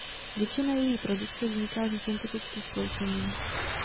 Většina její produkce vzniká ze syntetických sloučenin.